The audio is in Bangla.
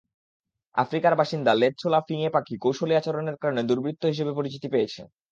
আফ্রিকার বাসিন্দা লেজঝোলা ফিঙে পাখি কৌশলী আচরণের কারণে দুর্বৃত্ত হিসেবে পরিচিতি পেয়েছে।